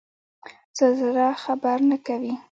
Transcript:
زلزله خبر نه کوي